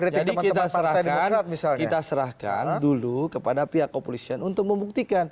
jadi kita serahkan dulu kepada pihak koopolisian untuk membuktikan